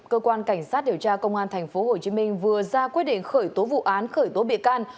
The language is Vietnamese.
cơ quan cảnh sát điều tra công an tp hcm vừa ra quyết định khởi tố vụ án khởi tố bị can